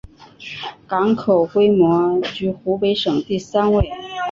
港口规模居湖北省第三位。